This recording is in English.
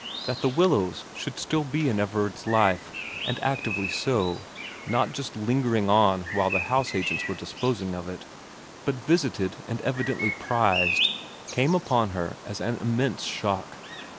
That The Willows should still be in Everard's life, and actively so, not just lingering on while house agents were disposing of it, but visited and evidently prized, came upon her as an immense shock.